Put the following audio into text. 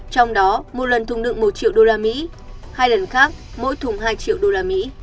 trong đó một lần thùng đựng một triệu usd hai lần khác mỗi thùng hai triệu usd